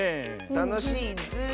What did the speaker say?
たのしいッズー。